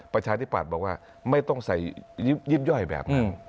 ประชาธิปัตย์บอกว่าไม่ต้องใส่ยิบย่อยแบบนั้น